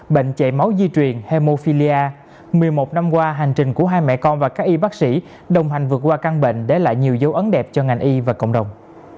bệnh chạy máu di truyền hemophilia một mươi một năm qua hành trình của hai mẹ con và các y bác sĩ đồng hành vượt qua căn bệnh để lại nhiều dấu ấn đẹp cho ngành y và cộng đồng